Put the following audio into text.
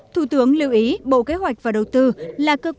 thủ tướng lưu ý bộ kế hoạch và đầu tư là cơ quan